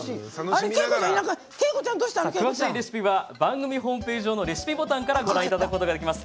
詳しいレシピは番組ホームページ上のレシピボタンからご覧いただけます。